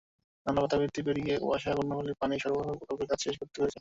নানা বাধাবিপত্তি পেরিয়ে ওয়াসা কর্ণফুলী পানি সরবরাহ প্রকল্পের কাজ শেষ করতে পেরেছে।